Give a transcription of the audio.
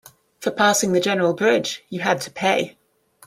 For passing the general bridge, you had to pay.